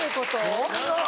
・・そんな！